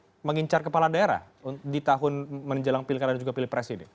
kenapa memang mengincar kepala daerah di tahun menjelang pilkada dan juga pilpresi ini